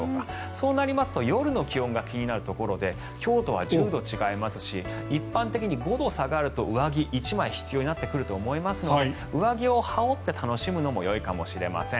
そうなりますと夜の気温が気になるところで今日とは１０度違いますし一般的に５度下がると上着が１枚必要になってくると思いますので上着を羽織って楽しむのもよいかもしれません。